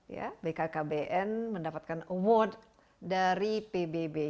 ya bkkbn mendapatkan award dari pbb